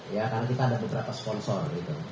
karena kita ada beberapa sponsor